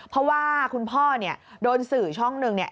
เพราะว่าคุณพ่อเนี่ยโดนสื่อช่องหนึ่งเนี่ย